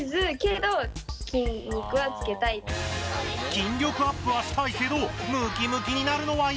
筋力アップはしたいけどムキムキになるのはイヤ！